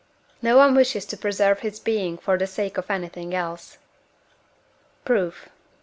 No one wishes to preserve his being for the sake of anything else. Proof.